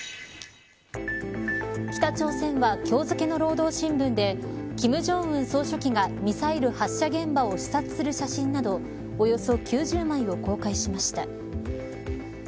北朝鮮は今日付けの事件の労働新聞で金正恩総書記が、ミサイル発射現場を視察する写真などおよそ９０枚を公開しました。